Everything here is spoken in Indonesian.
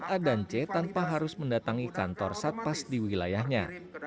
a dan c tanpa harus mendatangi kantor satpas di wilayahnya